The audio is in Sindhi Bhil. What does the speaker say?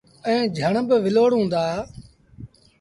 ائيٚݩ جھڻ با ولوڙون دآ۔